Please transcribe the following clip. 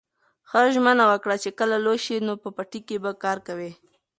هغه ژمنه وکړه چې کله لوی شي نو په پټي کې به کار کوي.